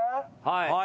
はい。